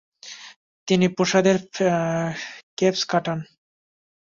তিনি প্রাসাদের কেফসে কাটান।